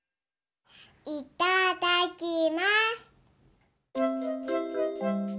いただきます。